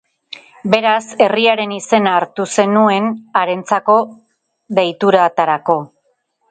Beraz, herriaren izena hartu zenuen harentzako deituratarako.